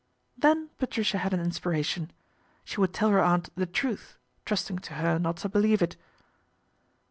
Then Patricia had an inspira tion. She would tell her aunt the truth, trusting to her not to believe it.